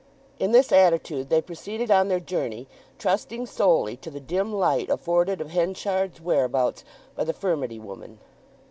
In this attitude they proceeded on their journey, trusting solely to the dim light afforded of Henchard's whereabouts by the furmity woman.